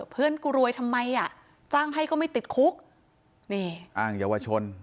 เพื่อนกูรวยทำไมอ่ะจ้างให้ก็ไม่ติดคุกนี่อ้างเยาวชน